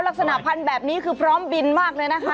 ลักษณะพันธุ์แบบนี้คือพร้อมบินมากเลยนะคะ